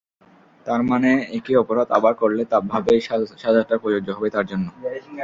তার মানে একই অপরাধ আবার করলে তবেই সাজাটা প্রযোজ্য হবে তাঁর জন্য।